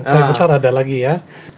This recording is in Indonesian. paling besar ada lagi ya